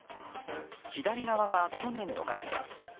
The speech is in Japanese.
左側が去年の額です。